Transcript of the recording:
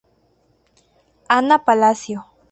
Ana Palacio